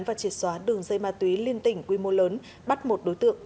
và triệt xóa đường dây ma túy liên tỉnh quy mô lớn bắt một đối tượng